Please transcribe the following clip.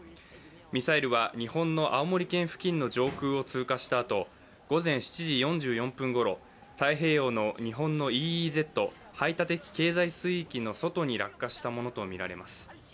ミサイルは日本の青森県付近の上空を通過したあと午前７時４４分頃、太平洋のＥＥＺ＝排他的経済水域の外に落下したものとみられます。